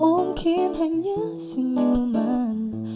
mungkin hanya senyuman